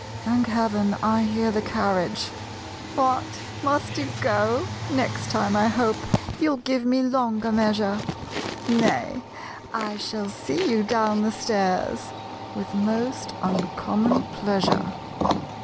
(Thank Heaven, I hear the carriage!) "What! must you go? next time I hope You'll give me longer measure; Nay I shall see you down the stairs (With most uncommon pleasure!)